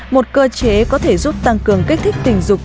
một cơ chế có thể giúp tăng cường kích thích tình dục